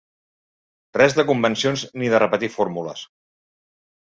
Res de convencions ni de repetir fórmules.